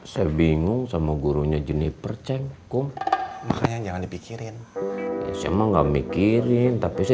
saya bingung sama gurunya jeniper cengku makanya jangan dipikirin semua nggak mikirin tapi saya